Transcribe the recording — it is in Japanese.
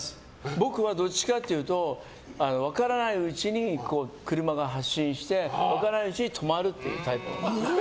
僕はどっちかというと分からないうちに車が発進して、分からないうちに止まるタイプなの。